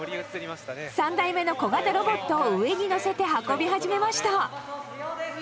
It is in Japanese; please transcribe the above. ３台目の小型ロボットを上にのせて運び始めました。